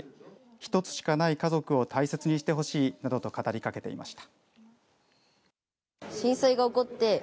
１つしかない家族を大切にしてほしいなどと語りかけていました。